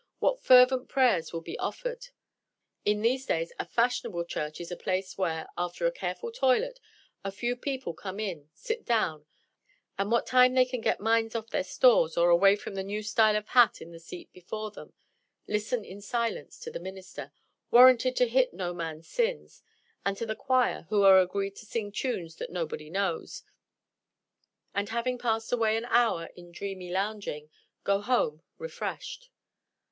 What fervent prayers will be offered! In these days a fashionable church is a place where, after a careful toilet, a few people come in, sit down, and what time they can get their minds off their stores, or away from the new style of hat in the seat before them, listen in silence to the minister warranted to hit no man's sins and to the choir, who are agreed to sing tunes that nobody knows; and, having passed away an hour in dreamy lounging, go home refreshed.